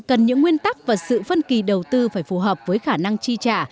cần những nguyên tắc và sự phân kỳ đầu tư phải phù hợp với khả năng chi trả